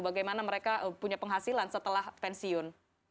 bagaimana mereka punya penghasilan setelah pensiun